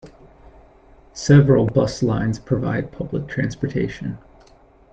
Several bus lines provide public transportation.